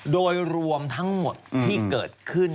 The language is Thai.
โดยรวมทั้งหมดที่เกิดขึ้น